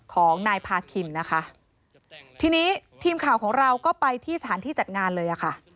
ของนายพาคินนะคะทีนี้ทีมข่าวของเราก็ไปที่สถานที่จัดงานเลยอ่ะค่ะ